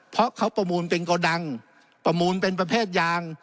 เพราะเขาประมูลเป็นโกดังประมูลเป็นประเภทยาง